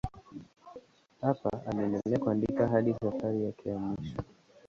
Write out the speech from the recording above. Hapa aliendelea kuandika hadi safari yake ya mwisho.